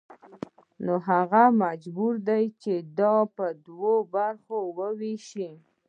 نو هغه مجبور دی چې دا په دوو برخو ووېشي